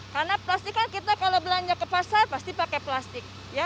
karena plastik kan kita kalau belanja ke pasar pasti pakai plastik